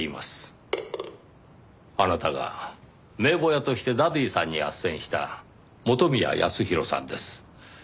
あなたが名簿屋としてダディさんに斡旋した元宮康宏さんです。